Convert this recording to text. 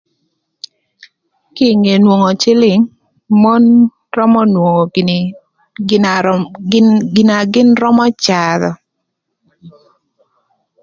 Kï ï nge nwongo cïlïng, mon römö nwongo gïnï gin na röm gin gina gïn römö cadhö.